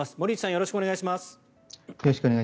よろしくお願いします。